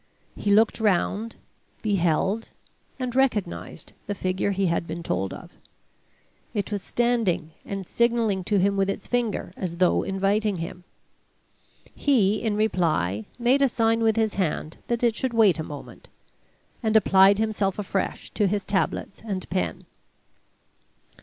He looked round, beheld and recognized the figure he had been told of. It was standing and signaling to him with its finger, as though inviting him. He, in reply, made a sign with his hand that it should wait a moment, and applied himself afresh to his tablets and pen.